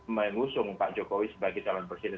mengusung pak jokowi sebagai calon presiden